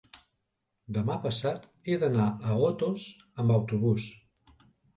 Demà passat he d'anar a Otos amb autobús.